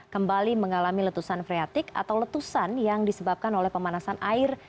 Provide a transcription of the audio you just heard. kembali mengalami letusan freatik atau letusan yang disebabkan oleh pemanasan air